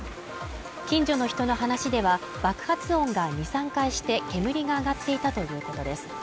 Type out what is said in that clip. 近所の人の話では爆発音が二、三回して煙が上がっていたということです。